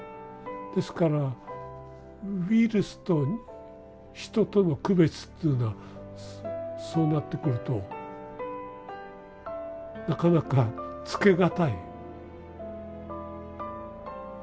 ですからウイルスと人との区別っていうのはそうなってくるとなかなかつけがたい。